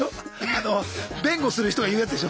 あの弁護する人が言うやつでしょ。